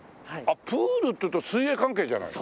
プールっていうと水泳関係じゃない。